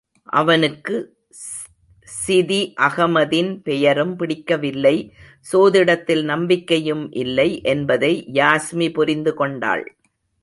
அவனுக்கு சிதி அகமதின் பெயரும் பிடிக்கவில்லை சோதிடத்தில் நம்பிக்கையும் இல்லை என்பதை யாஸ்மி புரிந்து கொண்டாள்.